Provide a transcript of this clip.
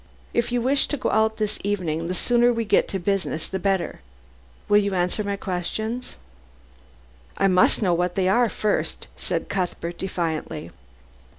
If you wish to go out this evening, the sooner we get to business the better. Will you answer my questions?" "I must know what they are first," said Cuthbert defiantly.